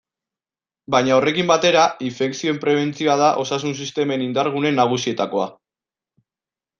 Baina horrekin batera, infekzioen prebentzioa da osasun-sistemen indar-gune nagusietakoa.